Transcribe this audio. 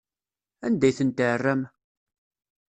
Anda ay ten-tɛerram?